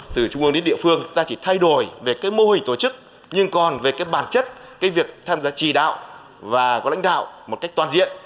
từ trung ương đến địa phương ta chỉ thay đổi về mô hình tổ chức nhưng còn về bản chất việc tham gia trì đạo và có lãnh đạo một cách toàn diện